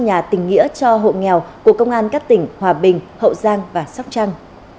nhà tình nghĩa cho hộ nghèo của công an các tỉnh hòa bình hậu giang và sóc trăng